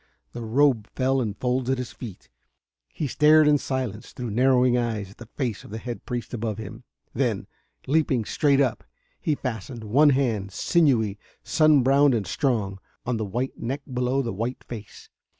The robe fell in folds at his feet. He stared in silence, through narrowing eyes, at the face of the head priest above him. Then, leaping straight up, he fastened one hand, sinewy, sun browned and strong, on the white neck below the white face.